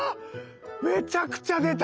めちゃくちゃ出た。